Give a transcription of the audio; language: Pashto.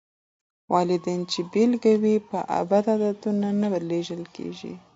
والدين چې بېلګه وي، بد عادتونه نه لېږدېږي.